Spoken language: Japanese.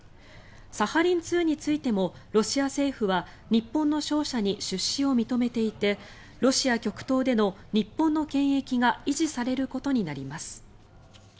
サハリン２についてもロシア政府は日本の商社に出資を認めていてロシア極東での日本の権益が維持されることになります。